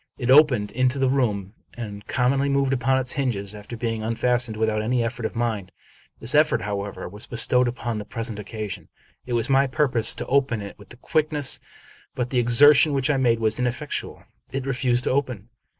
It opened into the room, and commonly moved upon its hinges, after being unfastened, without any effort of mine. This effort, how ever, was bestowed upon the present occasion. It was my purpose to open it with quickness; but the exertion which I made was ineffectual. It refused to open.